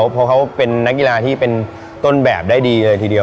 เพราะเขาเป็นนักกีฬาที่เป็นต้นแบบได้ดีเลยทีเดียว